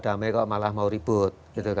damai kok malah mau ribut